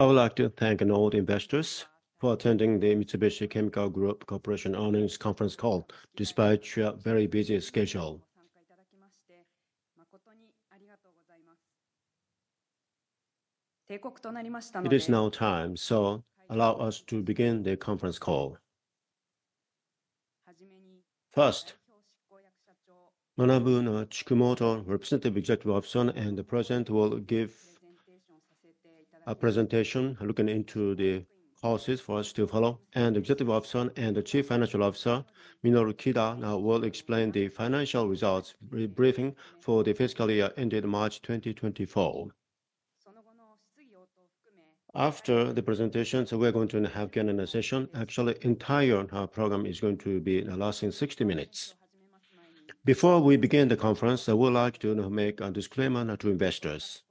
I would like to thank an old investor for attending the Mitsubishi Chemical Group Corporation Earnings Conference Call, despite your very busy schedule. 定刻となりましたので、It is now time, so allow us to begin the conference call. はじめに、First, Manabu Chikumoto, Representative Executive Officer and President, will give a presentation looking into the courses for us to follow. The Executive Officer and the Chief Financial Officer, Minoru Kida, will explain the financial results briefing for the fiscal year ended March 2024. その後の質疑応答を含め、After the presentations, we're going to have again a session. Actually, the entire program is going to be lasting 60 minutes. Before we begin the conference, I would like to make a disclaimer to investors.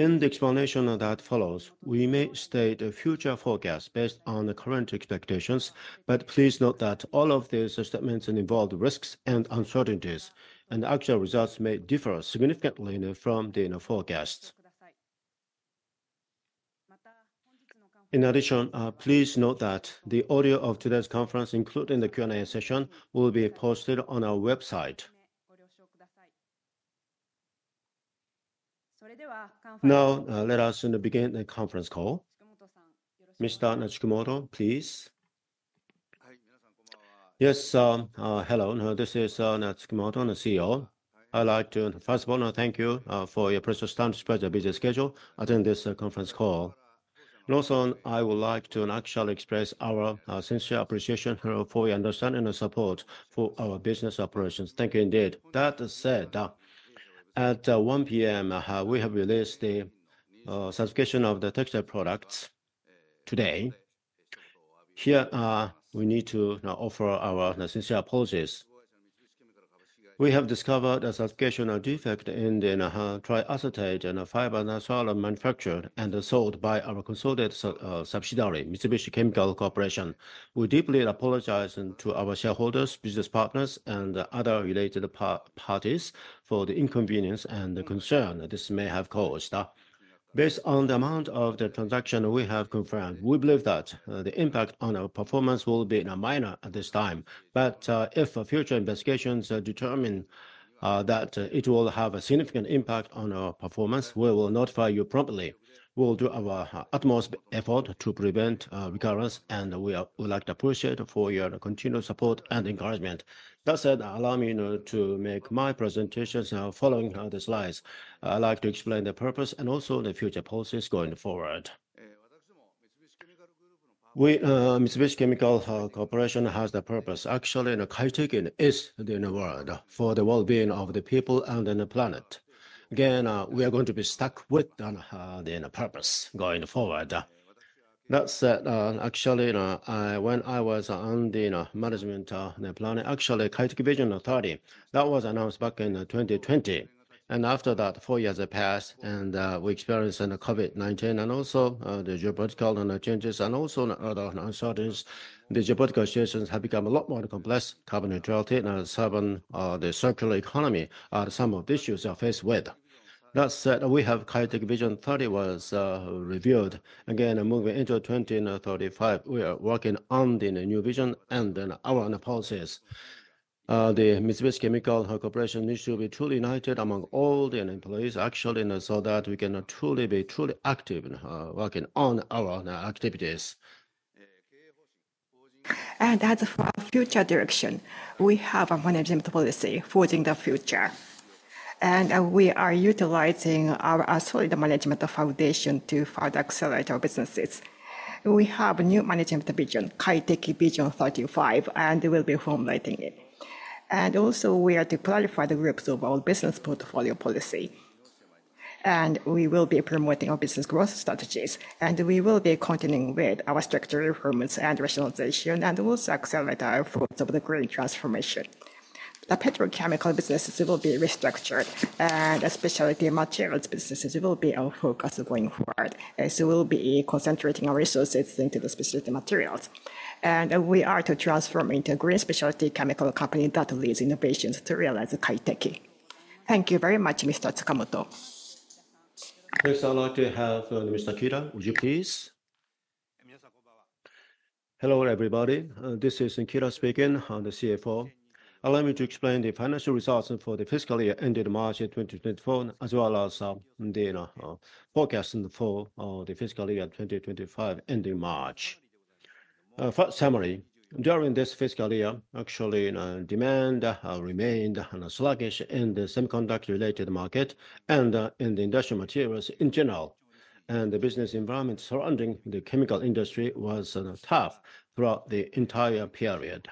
In the explanation that follows, we may state future forecasts based on current expectations, but please note that all of these statements involve risks and uncertainties, and actual results may differ significantly from the forecasts. In addition, please note that the audio of today's conference, including the Q&A session, will be posted on our website. それでは、now let us begin the conference call. Mr. Chikumoto, please. はい、皆さんこんばんは。Yes, hello. This is Manabu Chikumoto, the CEO. I'd like to, first of all, thank you for your precious time to spread your busy schedule attending this conference call. Also, I would like to actually express our sincere appreciation for your understanding and support for our business operations. Thank you indeed. That said, at 1:00 P.M. we have released the certification of the textile products today. Here we need to offer our sincere apologies. We have discovered a certification defect in the triacetate fiber Soalon manufactured and sold by our consolidated subsidiary, Mitsubishi Chemical Corporation. We deeply apologize to our shareholders, business partners, and other related parties for the inconvenience and concern this may have caused. Based on the amount of the transaction we have confirmed, we believe that the impact on our performance will be minor at this time, but if future investigations determine that it will have a significant impact on our performance, we will notify you promptly. We will do our utmost effort to prevent recurrence, and we would like to appreciate your continued support and encouragement. That said, allow me to make my presentation following the slides. I'd like to explain the purpose and also the future policies going forward. Mitsubishi Chemical Corporation has the purpose actually in KAITEKI is the world for the well-being of the people and the planet. Again, we are going to stick with the purpose going forward. That said, actually, when I was on the management planning, actually KAITEKI Vision, that was announced back in 2020, and after that four years have passed and we experienced COVID-19 and also the geopolitical changes and also other uncertainties. The geopolitical situations have become a lot more complex, carbon neutrality, and the circular economy are some of the issues we are faced with. That said, we have KAITEKI Vision was reviewed. Again, moving into 2035, we are working on the new vision and our policies. The Mitsubishi Chemical Corporation needs to be truly united among all the employees actually so that we can truly be truly active working on our activities. As for our future direction, we have a management policy forging the future, and we are utilizing our solid management foundation to further accelerate our businesses. We have a new management vision, KAITEKI Vision 35, and we'll be formulating it. Also we are to clarify the groups of our business portfolio policy, and we will be promoting our business growth strategies, and we will be continuing with our structural reforms and rationalization and also accelerate our efforts of the green transformation. The petrochemical businesses will be restructured, and specialty materials businesses will be our focus going forward. We'll be concentrating our resources into the specialty materials, and we are to transform into a green specialty chemical company that leads innovations to realize KAITEKI. Thank you very much, Mr. Chikumoto. First, I'd like to have Mr. Kida. Would you please? Hello, everybody. This is Kida speaking, the CFO. Allow me to explain the financial results for the fiscal year ended March 2024 as well as the forecast for the fiscal year 2025 ending March. First summary: During this fiscal year, actually demand remained sluggish in the semiconductor-related market and in the industrial materials in general, and the business environment surrounding the chemical industry was tough throughout the entire period.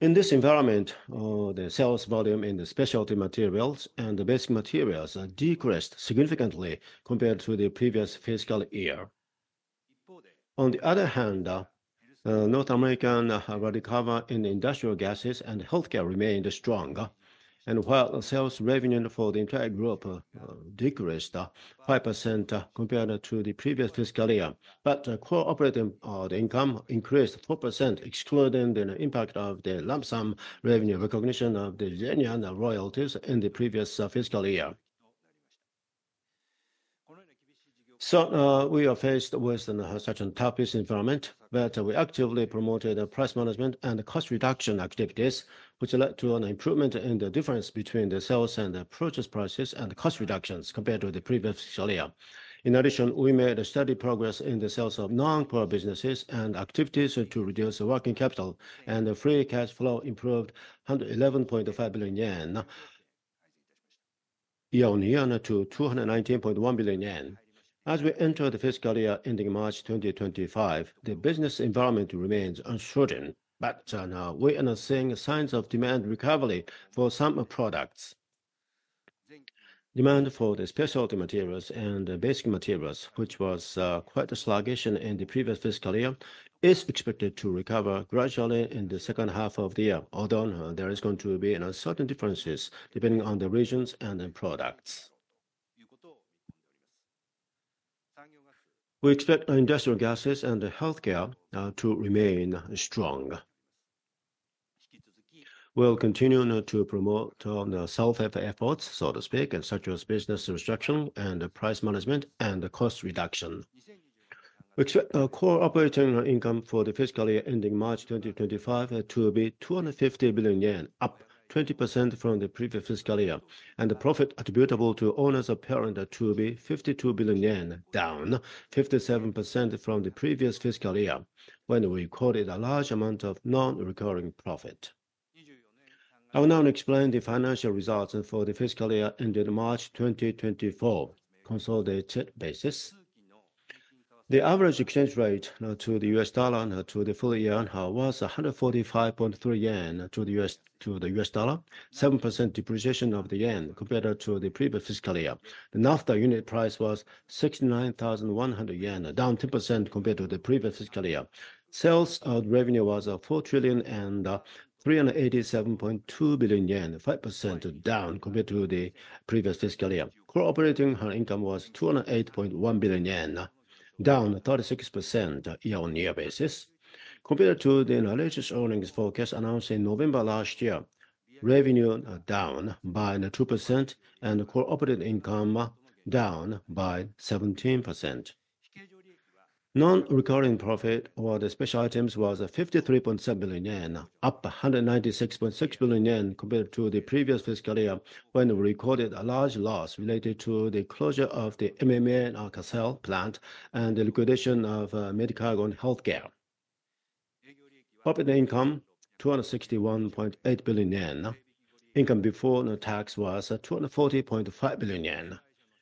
In this environment, the sales volume in the Specialty Materials and the Basic Materials decreased significantly compared to the previous fiscal year. On the other hand, North America recovery in industrial gases and healthcare remained strong, and while sales revenue for the entire group decreased 5% compared to the previous fiscal year, core operating income increased 4% excluding the impact of the lump sum revenue recognition of the Gilenya royalties in the previous fiscal year. So we are faced with such a tough business environment, but we actively promoted price management and cost reduction activities, which led to an improvement in the difference between the sales and purchase prices and cost reductions compared to the previous fiscal year. In addition, we made steady progress in the sales of non-core businesses and activities to reduce working capital, and the free cash flow improved 111.5 billion yen year-on-year to 219.1 billion yen. As we enter the fiscal year ending March 2025, the business environment remains uncertain, but we are seeing signs of demand recovery for some products. Demand for the specialty materials and basic materials, which was quite sluggish in the previous fiscal year, is expected to recover gradually in the second half of the year, although there are going to be uncertain differences depending on the regions and products. We expect industrial gases and healthcare to remain strong. We'll continue to promote self-efforts, so to speak, such as business restriction and price management and cost reduction. We expect operating income for the fiscal year ending March 2025 to be 250 billion yen, up 20% from the previous fiscal year, and the profit attributable to owners of parent to be 52 billion yen down 57% from the previous fiscal year when we recorded a large amount of non-recurring profit. I will now explain the financial results for the fiscal year ended March 2024 consolidated basis. The average exchange rate to the US dollar to the full year was 145.3 yen to the US dollar, 7% depreciation of the yen compared to the previous fiscal year. The Naphtha unit price was 69,100 yen, down 10% compared to the previous fiscal year. Sales revenue was 4,387.2 billion yen, 5% down compared to the previous fiscal year. Operating income was 208.1 billion yen, down 36% year-on-year basis. Compared to the latest earnings forecast announced in November last year, revenue down by 2% and operating income down by 17%. Non-recurring profit over the special items was 53.7 billion yen, up 196.6 billion yen compared to the previous fiscal year when we recorded a large loss related to the closure of the MMA and Cassel plant and the liquidation of Medicago and healthcare. Operating income, 261.8 billion yen. Income before tax was 240.5 billion yen,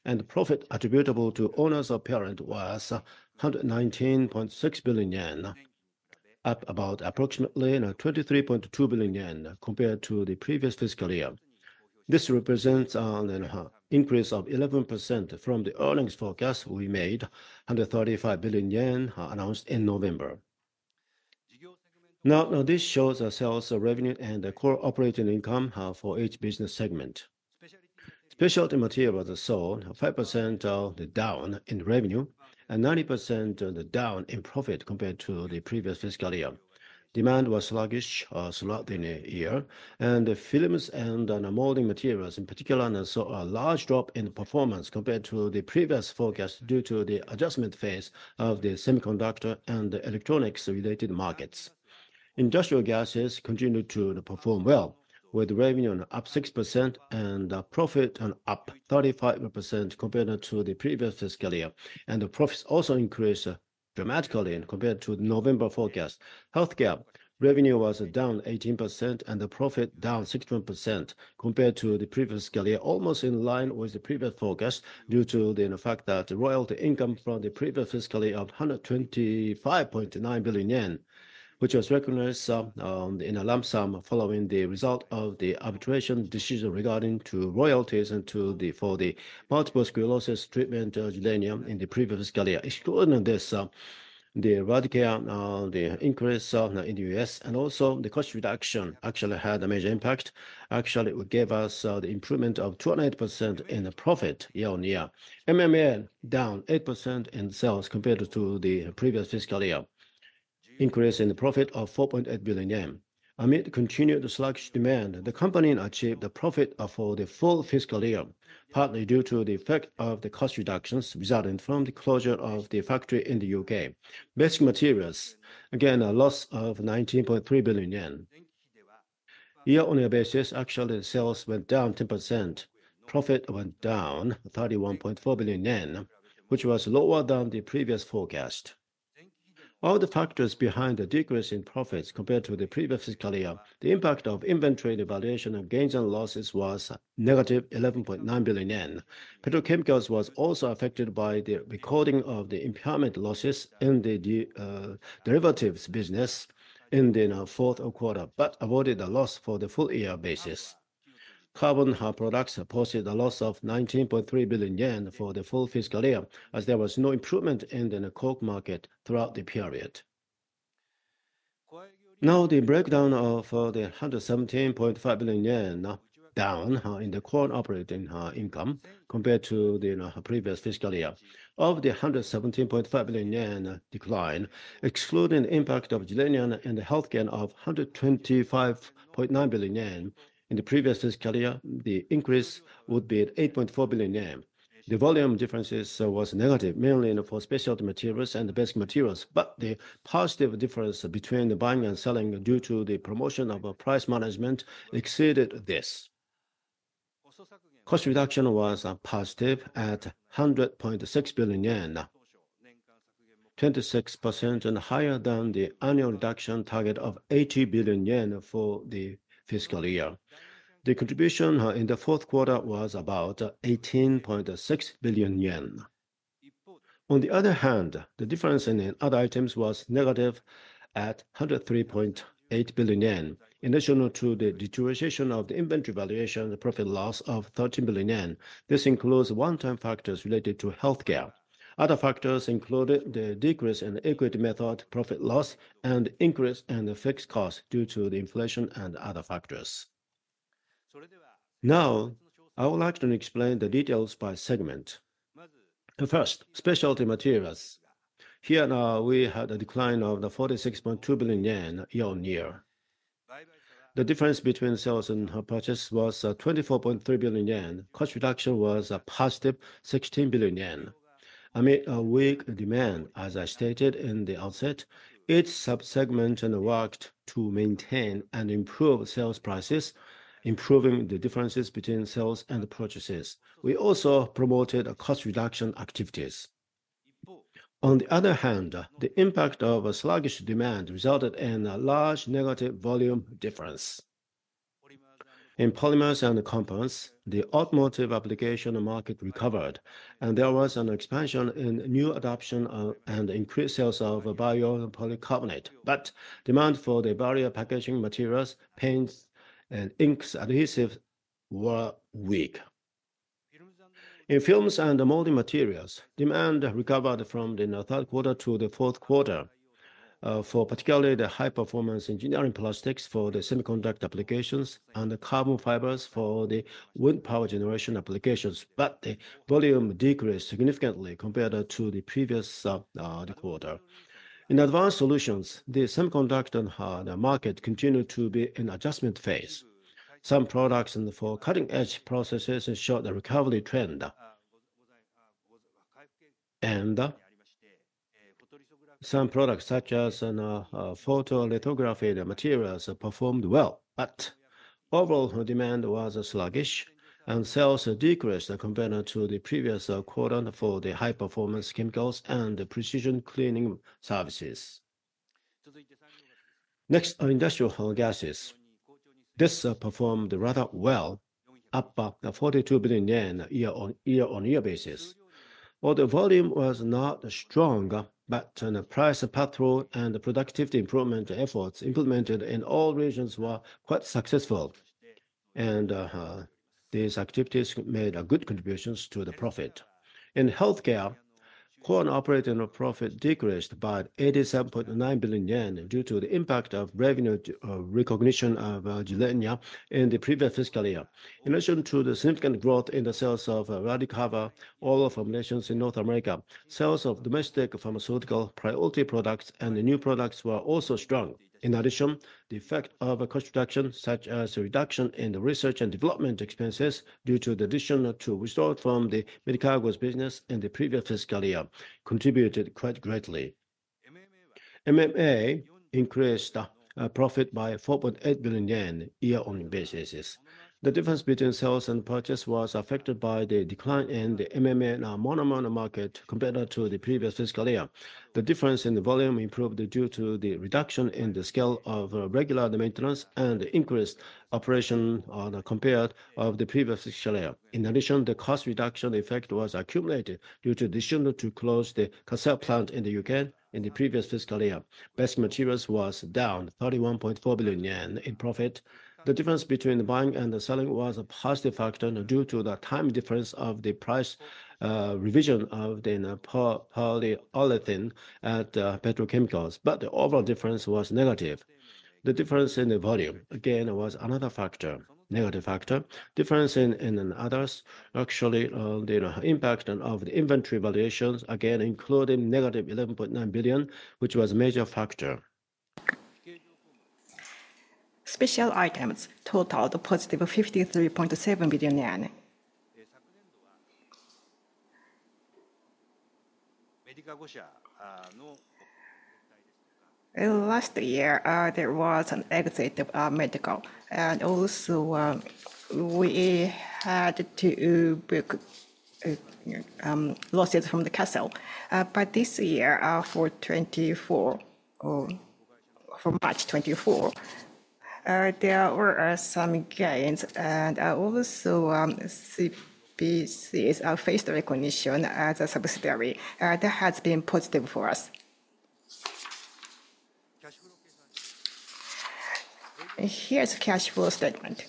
and profit attributable to owners of parent was 119.6 billion yen, up about approximately 23.2 billion yen compared to the previous fiscal year. This represents an increase of 11% from the earnings forecast we made, 135 billion yen announced in November. Now, this shows sales revenue and core operating income for each business segment. Specialty Materials, 5% down in revenue and 90% down in profit compared to the previous fiscal year. Demand was sluggish throughout the year, and the films and molding materials in particular saw a large drop in performance compared to the previous forecast due to the adjustment phase of the semiconductor and electronics-related markets. Industrial gases continued to perform well, with revenue up 6% and profit up 35% compared to the previous fiscal year, and the profits also increased dramatically compared to the November forecast. Healthcare, revenue was down 18% and profit down 61% compared to the previous fiscal year, almost in line with the previous forecast due to the fact that royalty income from the previous fiscal year of 125.9 billion yen, which was recognized in a lump sum following the result of the arbitration decision regarding royalties for the multiple sclerosis treatment in the previous fiscal year. Excluding this, the Radicava increase in the U.S. and also the cost reduction actually had a major impact. Actually, it would give us the improvement of 28% in profit year-on-year. MMA down 8% in sales compared to the previous fiscal year. Increase in the profit of 4.8 billion yen. Amid continued sluggish demand, the company achieved a profit for the full fiscal year, partly due to the effect of the cost reductions resulting from the closure of the factory in the U.K. Basic Materials, again a loss of 19.3 billion yen. Year-on-year basis, actually sales went down 10%. Profit went down 31.4 billion yen, which was lower than the previous forecast. All the factors behind the decrease in profits compared to the previous fiscal year, the impact of inventory devaluation and gains and losses was negative 11.9 billion yen. Petrochemicals was also affected by the recording of the impairment losses in the derivatives business in the fourth quarter, but avoided the loss for the full-year basis. Carbon Products posted a loss of 19.3 billion yen for the full fiscal year as there was no improvement in the coke market throughout the period. Now, the breakdown of the 117.5 billion yen decline in the core operating income compared to the previous fiscal year. Of the 117.5 billion yen decline, excluding the impact of Gilenya and the healthcare of 125.9 billion yen in the previous fiscal year, the increase would be 8.4 billion yen. The volume differences were negative, mainly for Specialty Materials and Basic Materials, but the positive difference between buying and selling due to the promotion of price management exceeded this. Cost reduction was positive at 100.6 billion yen, 26% higher than the annual reduction target of 80 billion yen for the fiscal year. The contribution in the fourth quarter was about 18.6 billion yen. On the other hand, the difference in other items was negative at 103.8 billion yen, in addition to the deterioration of the inventory valuation profit loss of 13 billion yen. This includes one-time factors related to healthcare. Other factors included the decrease in equity method profit loss and increase in fixed costs due to the inflation and other factors. Now, I would like to explain the details by segment. First, Specialty Materials. Here we had a decline of 46.2 billion yen year-on-year. The difference between sales and purchase was 24.3 billion yen. Cost reduction was positive 16 billion yen. Amid weak demand, as I stated in the outset, each subsegment worked to maintain and improve sales prices, improving the differences between sales and purchases. We also promoted cost reduction activities. On the other hand, the impact of sluggish demand resulted in a large negative volume difference. In polymers and compounds, the automotive application market recovered, and there was an expansion in new adoption and increased sales of bio-polycarbonate, but demand for the barrier packaging materials, paints, inks, and adhesives were weak. In films and molding materials, demand recovered from the third quarter to the fourth quarter, for particularly the high-performance engineering plastics for the semiconductor applications and the carbon fibers for the wind power generation applications, but the volume decreased significantly compared to the previous quarter. In advanced solutions, the semiconductor market continued to be in adjustment phase. Some products for cutting-edge processes showed a recovery trend. Some products such as photolithography materials performed well, but overall demand was sluggish and sales decreased compared to the previous quarter for the high-performance chemicals and precision cleaning services. Next, industrial gases. This performed rather well, up 42 billion yen year-on-year basis. Although volume was not strong, but price patrol and productivity improvement efforts implemented in all regions were quite successful, and these activities made good contributions to the profit. In healthcare, core operating profit decreased by 87.9 billion yen due to the impact of revenue recognition of Gilenya in the previous fiscal year. In addition to the significant growth in the sales of Radicava oral formulations in North America, sales of domestic pharmaceutical priority products and new products were also strong. In addition, the effect of cost reduction, such as reduction in the research and development expenses due to the addition to withdrawal from the Medicago's business in the previous fiscal year, contributed quite greatly. MMA increased profit by 4.8 billion yen year-on-year basis. The difference between sales and purchase was affected by the decline in the MMA monomer market compared to the previous fiscal year. The difference in volume improved due to the reduction in the scale of regular maintenance and increased operation compared to the previous fiscal year. In addition, the cost reduction effect was accumulated due to the decision to close the Cassel plant in the U.K. in the previous fiscal year. Basic Materials were down 31.4 billion yen in profit. The difference between buying and selling was a positive factor due to the time difference of the price revision of the polyolefin at Petrochemicals, but the overall difference was negative. The difference in the volume, again, was another factor, negative factor. Difference in others, actually the impact of the inventory valuations, again including negative 11.9 billion, which was a major factor. Special items totaled positive 53.7 billion yen. Last year, there was an exit of Medicago, and also we had to book losses from the Cassel. But this year, for March 2024, there were some gains, and also CPC faced recognition as a subsidiary. That has been positive for us. Here's the cash flow statement.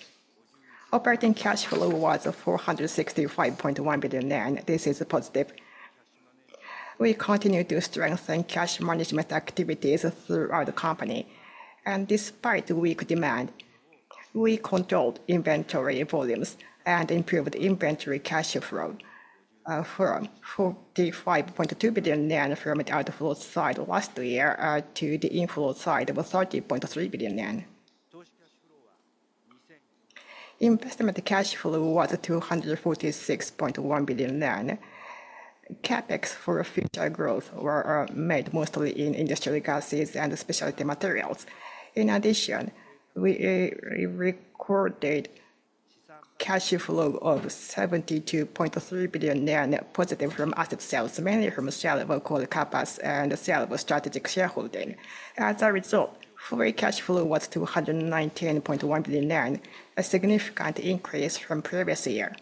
Operating cash flow was 465.1 billion yen. This is positive. We continue to strengthen cash management activities throughout the company. Despite weak demand, we controlled inventory volumes and improved inventory cash flow from 45.2 billion yen from the outflow side last year to the inflow side of 30.3 billion yen. Investment cash flow was 246.1 billion yen. CapEx for future growth was made mostly in industrial gases and specialty materials. In addition, we recorded cash flow of 72.3 billion positive from asset sales, mainly from sale of coal assets and sale of strategic shareholding. As a result, free cash flow was 219.1 billion yen, a significant increase from previous year.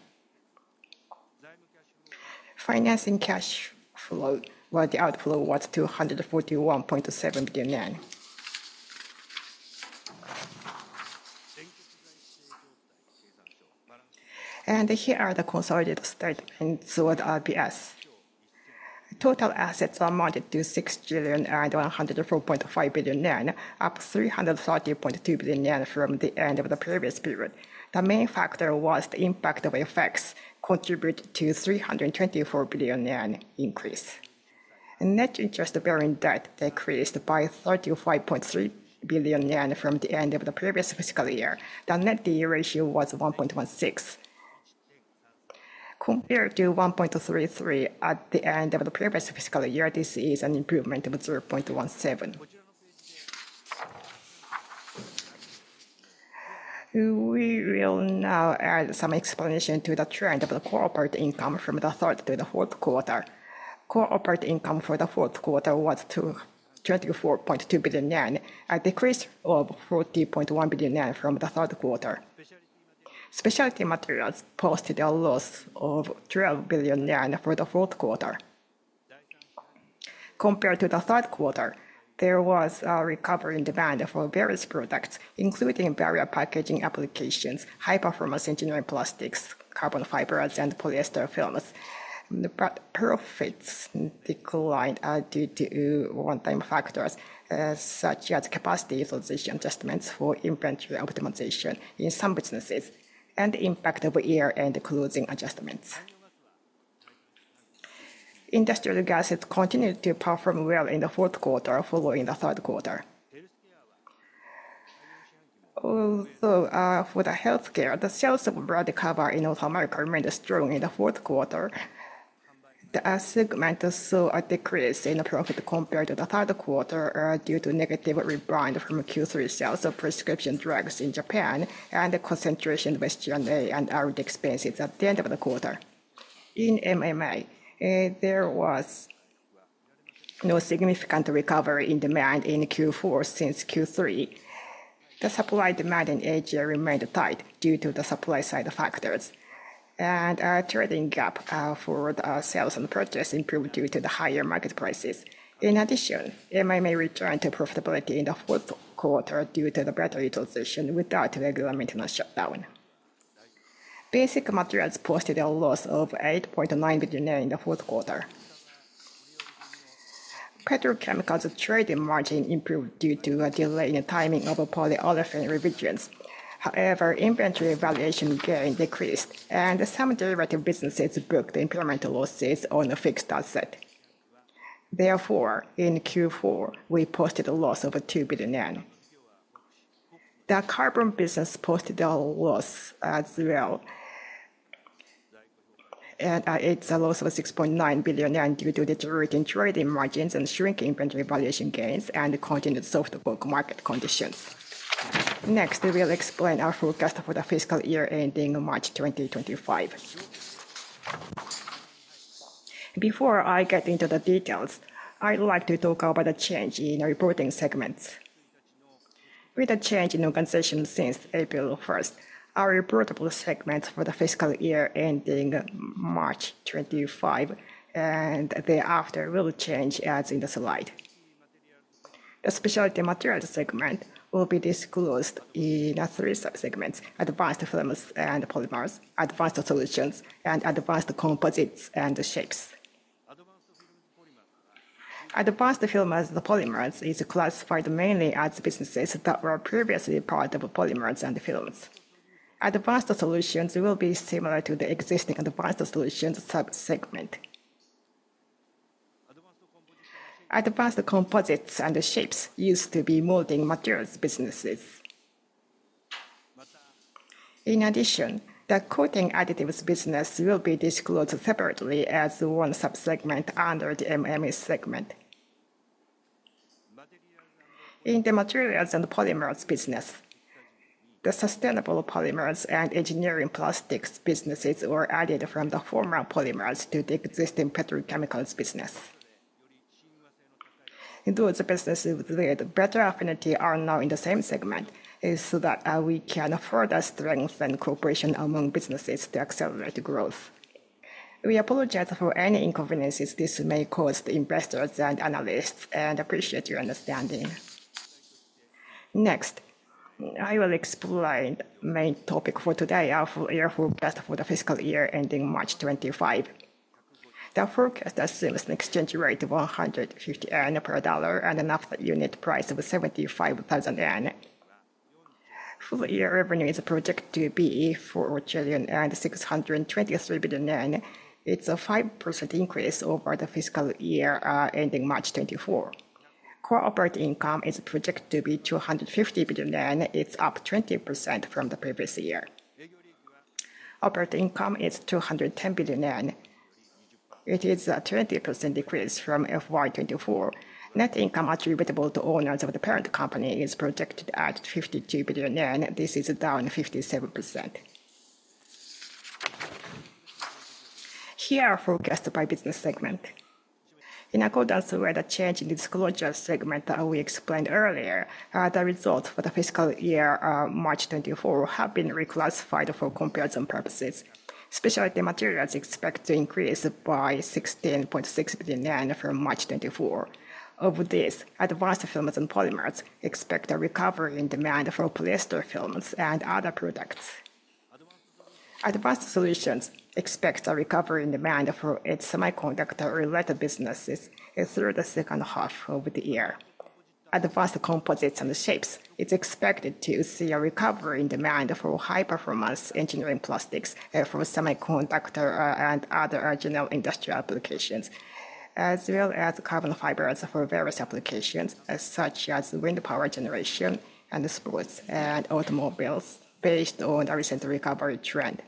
Financing cash flow where the outflow was 241.7 billion yen. Here are the consolidated statements with RBS. Total assets amounted to 6,104.5 billion yen, up 330.2 billion yen from the end of the previous period. The main factor was the impact of effects, contributed to a 324 billion yen increase. Net interest-bearing debt decreased by 35.3 billion yen from the end of the previous fiscal year. The net D/E ratio was 1.16. Compared to 1.33 at the end of the previous fiscal year, this is an improvement of 0.17. We will now add some explanation to the trend of the core operating income from the third to the fourth quarter. Core operating income for the fourth quarter was 24.2 billion yen, a decrease of 40.1 billion yen from the third quarter. Specialty Materials posted a loss of 12 billion yen for the fourth quarter. Compared to the third quarter, there was a recovering demand for various products, including barrier packaging applications, high-performance engineering plastics, carbon fibers, and polyester films. But profits declined due to one-time factors such as capacity utilization adjustments for inventory optimization in some businesses and the impact of year-end closing adjustments. Industrial Gases continued to perform well in the fourth quarter following the third quarter. Although for the healthcare, the sales of Radicava in North America remained strong in the fourth quarter. The segment saw a decrease in profit compared to the third quarter due to negative rebound from Q3 sales of prescription drugs in Japan and the concentration of SG&A and R&D expenses at the end of the quarter. In MMA, there was no significant recovery in demand in Q4 since Q3. The supply demand in Asia remained tight due to the supply-side factors. A trading gap for sales and purchase improved due to the higher market prices. In addition, MMA returned to profitability in the fourth quarter due to the better utilization without regular maintenance shutdown. Basic Materials posted a loss of 8.9 billion in the fourth quarter. Petrochemicals' trading margin improved due to a delay in the timing of polyolefin revisions. However, inventory valuation gain decreased, and some derivative businesses booked incremental losses on fixed assets. Therefore, in Q4, we posted a loss of 2 billion yen. The carbon business posted a loss as well. It's a loss of 6.9 billion yen due to deteriorating trading margins and shrinking inventory valuation gains and continued soft coke market conditions. Next, we'll explain our forecast for the fiscal year ending March 2025. Before I get into the details, I'd like to talk about the change in reporting segments. With the change in organization since 1st April, our reportable segments for the fiscal year ending March 2025 and thereafter will change as in the slide. The specialty materials segment will be disclosed in three subsegments: advanced films and polymers, advanced solutions, and advanced composites and shapes. Advanced films and polymers is classified mainly as businesses that were previously part of polymers and films. Advanced solutions will be similar to the existing advanced solutions subsegment. Advanced composites and shapes used to be molding materials businesses. In addition, the coating additives business will be disclosed separately as one subsegment under the MMA segment. In the materials and polymers business, the sustainable polymers and engineering plastics businesses were added from the former polymers to the existing petrochemicals business. Those businesses with greater affinity are now in the same segment so that we can further strengthen cooperation among businesses to accelerate growth. We apologize for any inconveniences this may cause the investors and analysts, and appreciate your understanding. Next, I will explain the main topic for today, our full year forecast for the fiscal year ending March 2025. The forecast assumes an exchange rate of 150 yen per US dollar and an asset unit price of 75,000 yen. Full year revenue is projected to be 4,623 billion yen. It's a 5% increase over the fiscal year ending March 2024. Core operating income is projected to be 250 billion yen. It's up 20% from the previous year. Operating income is 210 billion yen. It is a 20% decrease from FY 2024. Net income attributable to owners of the parent company is projected at 52 billion yen. This is down 57%. Here are our forecasts by business segment. In accordance with the change in disclosure segment we explained earlier, the results for the fiscal year March 2024 have been reclassified for comparison purposes. Specialty Materials expect to increase by JPY 16.6 billion from March 2024. Of this, advanced films and polymers expect a recovery in demand for polyester films and other products. Advanced solutions expect a recovery in demand for its semiconductor-related businesses through the second half of the year. Advanced composites and shapes, it's expected to see a recovery in demand for high-performance engineering plastics from semiconductor and other general industrial applications, as well as carbon fibers for various applications such as wind power generation and sports and automobiles based on the recent recovery trend.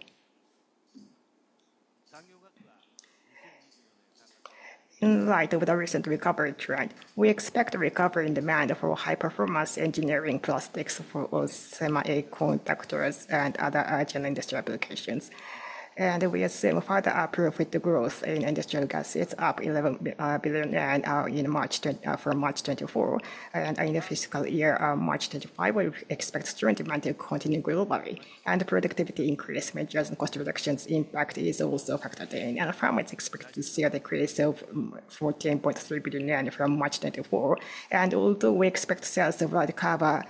In light of the recent recovery trend, we expect a recovery in demand for high-performance engineering plastics for semiconductors and other general industrial applications. We assume further upper profit growth in industrial gases, up 11 billion from March 2024. In the fiscal year March 2025, we expect strong demand to continue globally. Productivity increase, measures and cost reductions impact is also factored in. Pharma is expected to see a decrease of 14.3 billion yen from March 2024. Although we expect sales of Radicava ORS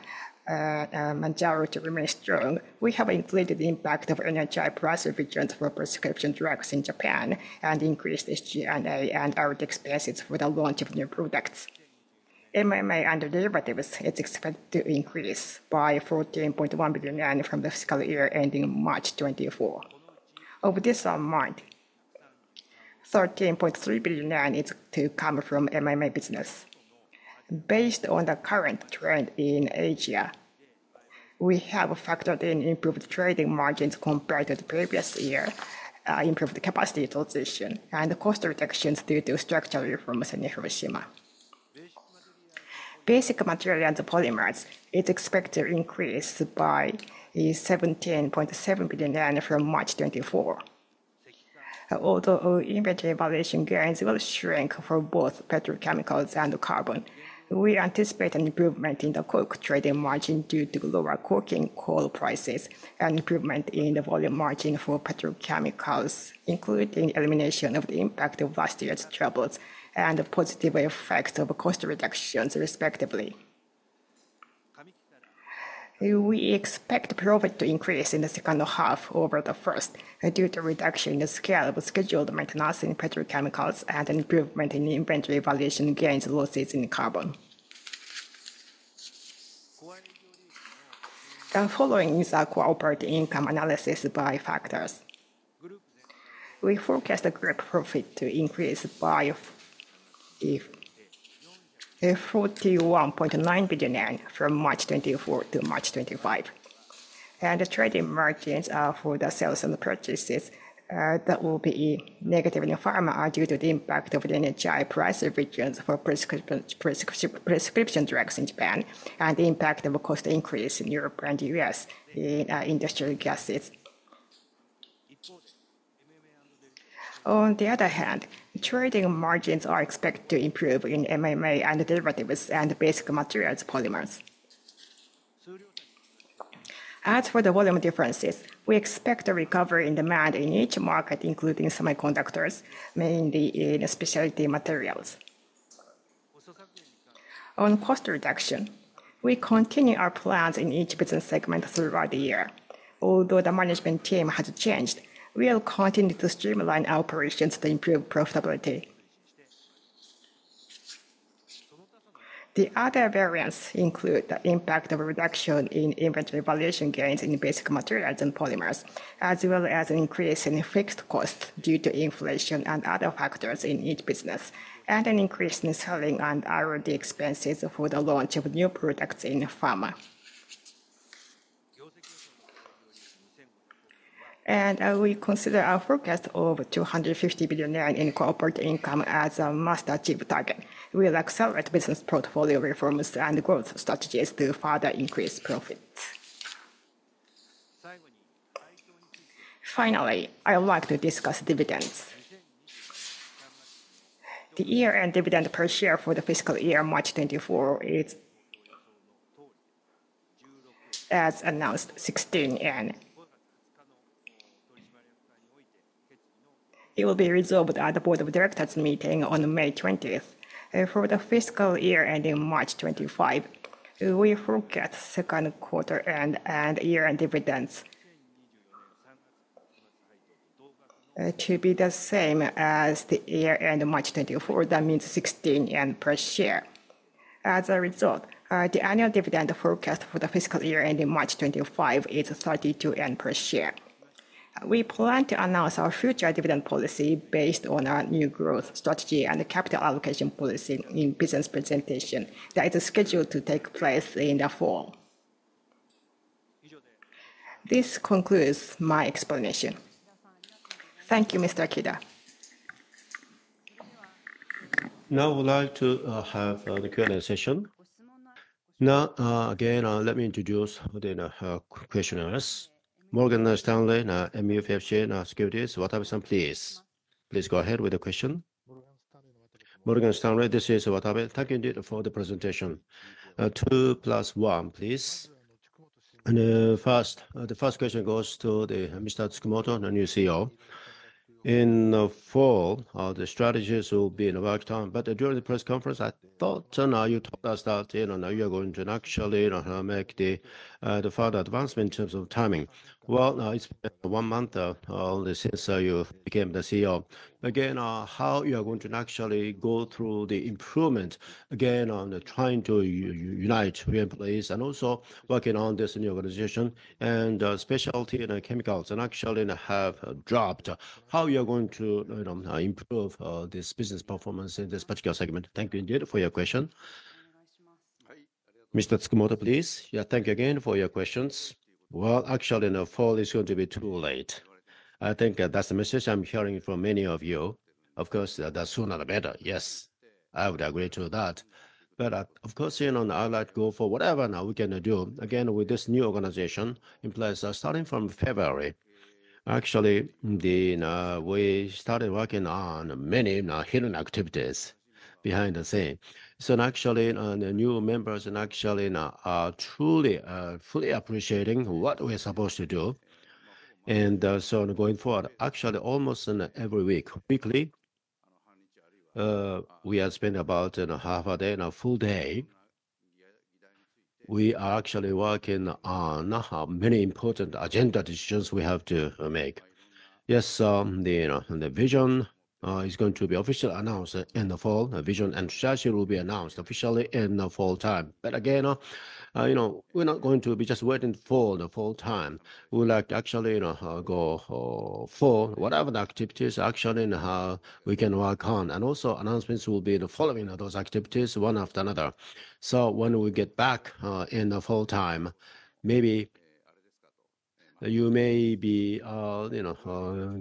to remain strong, we have included the impact of energy price revisions for prescription drugs in Japan and increased HGMA and R&D expenses for the launch of new products. MMA and derivatives, it's expected to increase by 14.1 billion yen from the fiscal year ending March 2024. Of this amount, JPY 13.3 billion is to come from MMA business. Based on the current trend in Asia, we have factored in improved trading margins compared to the previous year, improved capacity utilization, and cost reductions due to structural reforms in Hiroshima. Basic materials and polymers, it's expected to increase by 17.7 billion yen from March 2024. Although inventory valuation gains will shrink for both petrochemicals and carbon, we anticipate an improvement in the coke trading margin due to lower coking coal prices and improvement in the volume margin for petrochemicals, including elimination of the impact of last year's troubles and the positive effects of cost reductions, respectively. We expect profit to increase in the second half over the first due to reduction in the scale of scheduled maintenance in petrochemicals and improvement in inventory valuation gains/losses in carbon. The following is our operating income analysis by factors. We forecast the gross profit to increase by 41.9 billion yen from March 2024 to March 2025. The trading margins for the sales and purchases, that will be negative in pharma due to the impact of the energy price revisions for prescription drugs in Japan and the impact of a cost increase in Europe and the U.S. in industrial gases. On the other hand, trading margins are expected to improve in MMA and derivatives and basic materials, polymers. As for the volume differences, we expect a recovery in demand in each market, including semiconductors, mainly in specialty materials. On cost reduction, we continue our plans in each business segment throughout the year. Although the management team has changed, we will continue to streamline operations to improve profitability. The other variants include the impact of a reduction in inventory valuation gains in basic materials and polymers, as well as an increase in fixed costs due to inflation and other factors in each business, and an increase in selling and R&D expenses for the launch of new products in pharma. We consider our forecast of JPY 250 billion in core operating income as a must-achieve target. We'll accelerate business portfolio reforms and growth strategies to further increase profits. Finally, I'd like to discuss dividends. The year-end dividend per share for the fiscal year March 2024 is, as announced, JPY 16. It will be resolved at the board of directors meeting on 20th May. For the fiscal year ending March 2025, we forecast second quarter end and year-end dividends to be the same as the year-end March 2024. That means 16 yen per share. As a result, the annual dividend forecast for the fiscal year ending March 2025 is 32 yen per share. We plan to announce our future dividend policy based on our new growth strategy and capital allocation policy in business presentation that is scheduled to take place in the fall. This concludes my explanation. Thank you, Mr. Kida Now, I would like to have the Q&A session. Now, again, let me introduce the questionnaires. Morgan Stanley MUFG Securities. Watabe, please. Please go ahead with the question. Morgan Stanley, this is Watabe. Thank you for the presentation. Two plus one, please. And first, the first question goes to Mr. Chikumoto, the new CEO. In the fall, the strategies will be in work time. But during the press conference, I thought you told us that you are going to actually make the further advancement in terms of timing. Well, it's been one month since you became the CEO. Again, how you are going to actually go through the improvement, again, on trying to unite employees and also working on this new organization and specialty chemicals and actually have dropped. How you are going to improve this business performance in this particular segment? Thank you indeed for your question. Mr. Chikumoto, please. Yeah, thank you again for your questions. Well, actually, in the fall, it's going to be too late. I think that's the message I'm hearing from many of you. Of course, the sooner the better. Yes, I would agree to that. But of course, I'd like to go for whatever we can do. Again, with this new organization, it implies starting from February, actually, we started working on many hidden activities behind the scenes. So actually, the new members are truly fully appreciating what we're supposed to do. And so going forward, actually, almost every week, weekly, we have spent about half a day, a full day. We are actually working on many important agenda decisions we have to make. Yes, the vision is going to be officially announced in the fall. The vision and strategy will be announced officially in the fall time. But again, we're not going to be just waiting for the fall time. We'd like to actually go for whatever the activities actually we can work on. And also announcements will be following those activities one after another. So when we get back in the fall time, maybe you may be